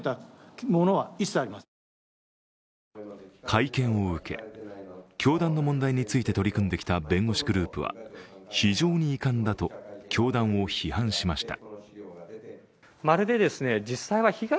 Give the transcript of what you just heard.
会見を受け、教団の問題について取り組んできた弁護士グループは非常に遺憾だと教団を批判しました。